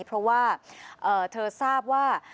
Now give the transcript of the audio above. เพราะว่าเธอทราบว่า